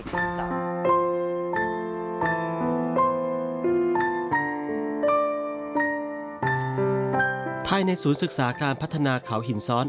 ภายในศูนย์ศึกษาการพัฒนาเขาหินซ้อน